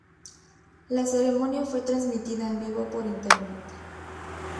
La ceremonia fue transmitida en vivo por Internet.